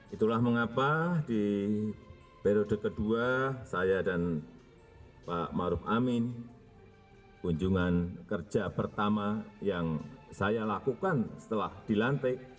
itulah mengapa di periode kedua saya dan pak maruf amin kunjungan kerja pertama yang saya lakukan setelah dilantik